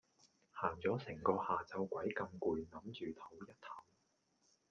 行咗成個下晝鬼咁攰諗住抖一抖